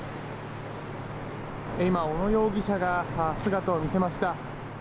今、小野容疑者が姿を見せました。